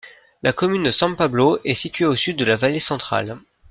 La commune de San Pablo est située au sud de la Vallée Centrale.